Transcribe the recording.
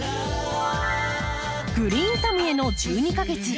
「グリーンサムへの１２か月」。